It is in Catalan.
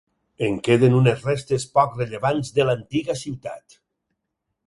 En queden unes restes poc rellevants de l'antiga ciutat.